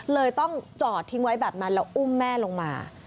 เลยต้องจอดทิ้งไว้แบบนั้นแล้วอุ้มแม่ลงมา